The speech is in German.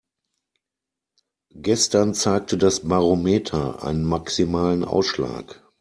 Gestern zeigte das Barometer einen maximalen Ausschlag.